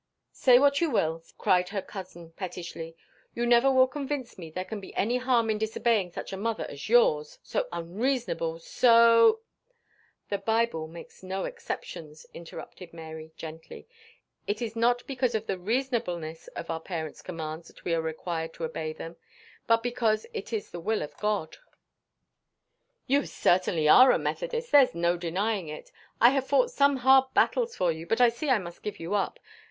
"Say what you will," cried her cousin pettishly, "you never will convince me there can be any harm in disobeying such a mother as yours so unreasonable so " "The Bible makes no exceptions," interrupted Mary gently; "it is not because of the reasonableness of our parents' commands that we are required to obey them, but because it is the will of God." "You certainly are a Methodist there's no denying it. I have fought some hard battles for you, but I see I must give you up.